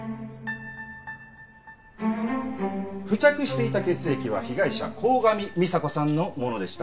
付着していた血液は被害者鴻上美沙子さんのものでした。